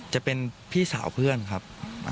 จะเป็นพี่สาวเพื่อนครับ